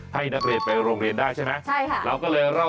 แต่นึกถึงตอนเด็กนะ